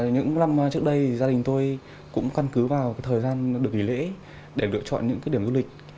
những năm trước đây gia đình tôi cũng căn cứ vào thời gian được nghỉ lễ để lựa chọn những điểm du lịch